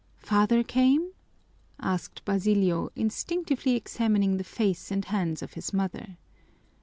"Father came?" asked Basilio, instinctively examining the face and hands of his mother.